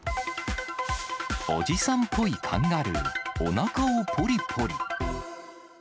おじさんっぽいカンガルー、おなかをぽりぽり。